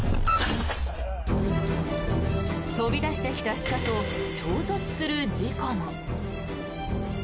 飛び出してきた鹿と衝突する事故も。